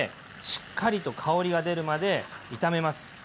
しっかりと香りが出るまで炒めます。